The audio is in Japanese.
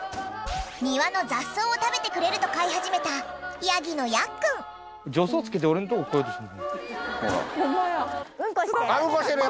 庭の雑草を食べてくれると飼い始めたウンコしてる